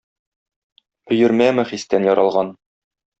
Өермәме хистән яралган?